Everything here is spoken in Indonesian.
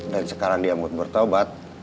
dan sekarang dia mau bertobat